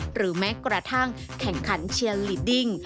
หรือแม้กระทั่งแข่งขันเชียร์ลีดดิ้ง